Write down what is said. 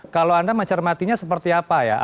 kalau anda mencermatinya seperti apa ya